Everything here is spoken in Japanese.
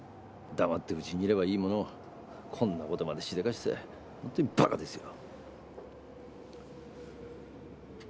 黙ってウチにいればいいものをこんなことまでしでかして本当にバカですよ！